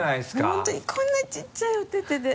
本当にこんなにちっちゃいお手てで。